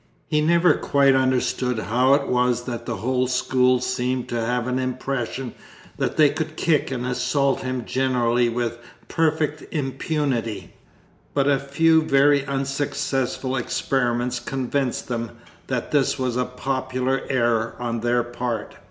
He never quite understood how it was that the whole school seemed to have an impression that they could kick and assault him generally with perfect impunity; but a few very unsuccessful experiments convinced them that this was a popular error on their part.